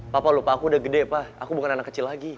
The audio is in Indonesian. papa lupa aku udah gede pak aku bukan anak kecil lagi